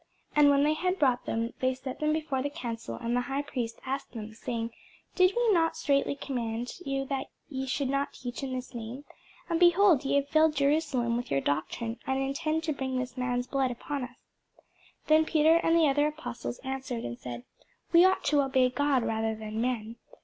And when they had brought them, they set them before the council: and the high priest asked them, saying, Did not we straitly command you that ye should not teach in this name? and, behold, ye have filled Jerusalem with your doctrine, and intend to bring this man's blood upon us. [Sidenote: The Acts 6] Then Peter and the other apostles answered and said, We ought to obey God rather than men.